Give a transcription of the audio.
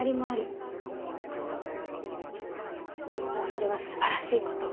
それは素晴らしいこと。